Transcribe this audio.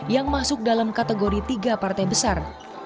yang masuk dalam kategori tiga partai besar